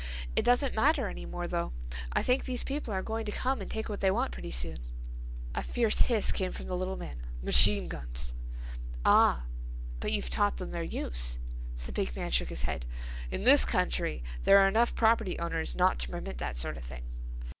"It doesn't matter any more though. I think these people are going to come and take what they want pretty soon." A fierce hiss came from the little man. "Machine guns!" "Ah, but you've taught them their use." The big man shook his head. "In this country there are enough property owners not to permit that sort of thing."